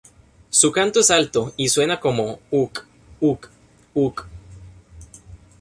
Su canto es alto y suena como "uk-uk-uk".